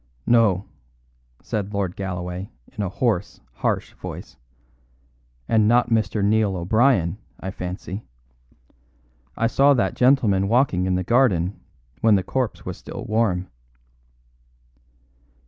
"No," said Lord Galloway in a hoarse, harsh voice. "And not Mr. Neil O'Brien, I fancy. I saw that gentleman walking in the garden when the corpse was still warm."